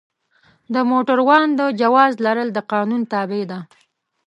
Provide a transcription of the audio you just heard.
د موټروان د جواز لرل د قانون تابع ده.